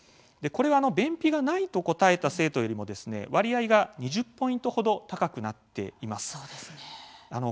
これは便秘がないと答えた生徒よりも割合が２０ポイントほど高くなっています。